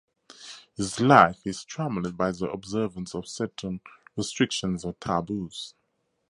His life is trammeled by the observance of certain restrictions or taboos.